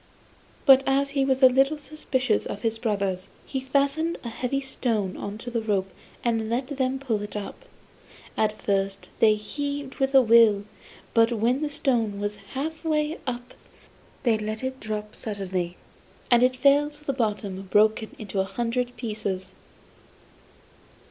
But as he was a little suspicious of his brothers, he fastened a heavy stone on to the rope and let them pull it up. At first they heaved with a will, but when the stone was half way up they let it drop suddenly, and it fell to the bottom broken into a hundred pieces.